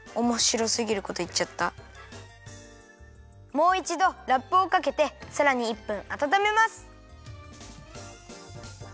もういちどラップをかけてさらに１分あたためます。